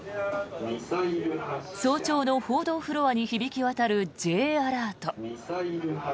早朝の報道フロアに響き渡るＪアラート。